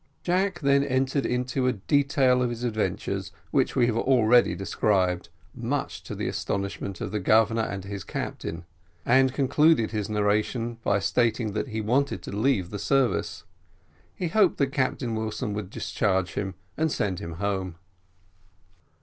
Jack then entered into a detail of his adventures, which we have already described, much to the astonishment of the Governor and his captain, and concluded his narration by stating that he wanted to leave the service; he hoped that Captain Wilson would discharge him and send him home.